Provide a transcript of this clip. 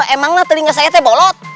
emanglah telinga saya teh bolot